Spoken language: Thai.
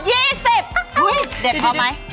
เด็ดพร้อมไหม